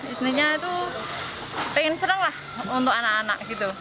istrinya itu pengen serang lah untuk anak anak gitu